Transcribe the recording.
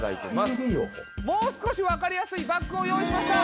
もう少し分かりやすいバッグを用意しました！